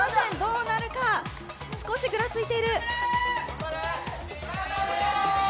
少しぐらついている。